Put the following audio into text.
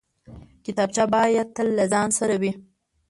کتابچه باید تل له ځان سره وي